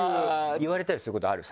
言われたりすることある？